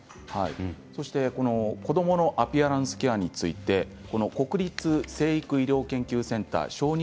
そして子どものアピアランスケアについて国立成育医療研究センター小児